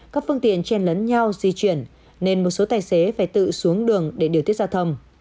các phương tiện chen lấn nhau di chuyển nên một số tài xế phải tự xuống đường để điều tiết giao thông